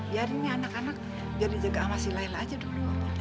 biar ini anak anak jadi jaga sama si laila aja dulu pak